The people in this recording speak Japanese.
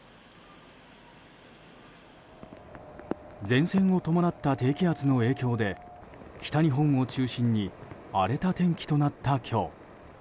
前線を伴った低気圧の影響で北日本を中心に荒れた天気となった今日。